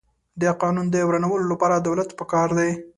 د قانون د ورانولو لپاره دولت پکار دی.